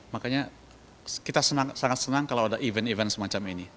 makanya kita sangat senang kalau ada event event semacam ini